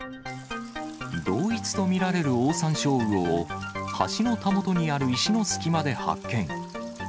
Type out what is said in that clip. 同一と見られるオオサンショウウオを、橋のたもとにある石の隙間で発見。